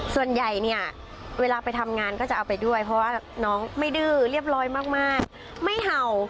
ส่วนใหญ่เนี่ยเวลาไปทำงานก็จะเอาไปด้วยเพราะว่าน้องไม่ดื้อเรียบร้อยมากไม่เห่า